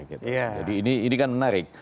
jadi ini kan menarik